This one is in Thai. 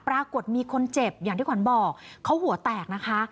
ปรากฏมีคนเจ็บอย่างที่ขวัญบอกเขาหัวแตกนะคะ